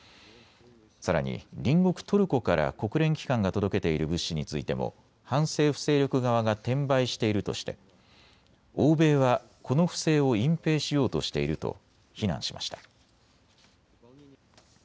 さらに隣国トルコから国連機関が届けている物資についても反政府勢力側が転売しているとして欧米はこの不正を隠蔽しようとしていると非難しました。